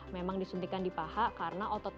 memang disuntikan di paha karena otot